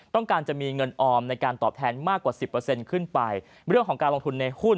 ต้องการจะมีเงินออมในการตอบแทนมากกว่า๑๐ขึ้นไปเรื่องของการลงทุนในหุ้น